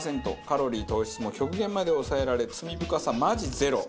カロリー糖質も極限まで抑えられ罪深さマジゼロ。